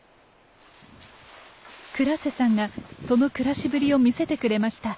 クラッセさんがその暮らしぶりを見せてくれました。